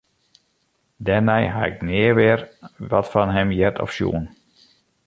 Dêrnei ha ik nea wer wat fan him heard of sjoen.